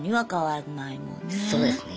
そうですね。